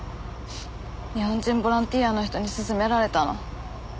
日本人ボランティアの人に勧められたの。